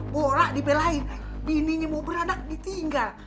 bola dibelahin bininya mau beranak ditinggal